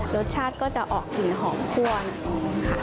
รสชาติก็จะออกกลิ่นหอมคั่วนะครับ